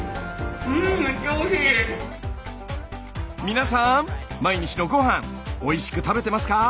皆さん毎日のご飯おいしく食べてますか？